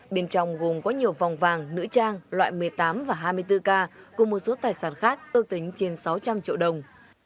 bên trong gồm có nhiều vòng vàng nữ trang loại một mươi tám và hai mươi bốn k cùng một số tài sản khác ước tính trên sáu trăm linh triệu đồng